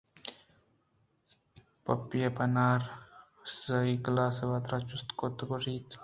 پیپی ءَپہ نار ضائی گلاس ءَ واتر چست کُتءُگوٛشت